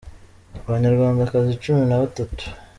Abanyarwandakazi cumi n’abatatu